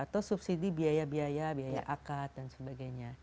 atau subsidi biaya biaya biaya akat dan sebagainya